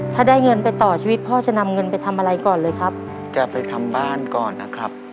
ถ้าได้เงินไปต่อชีวิตพ่อจะนำเงินไปทำอะไรก่อนเลยครับแกไปทำบ้านก่อนนะครับ